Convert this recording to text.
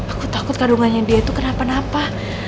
aku takut kandungannya dia itu kenapa napa